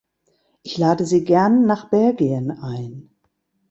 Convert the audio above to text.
Ich lade sie gern nach Belgien ein.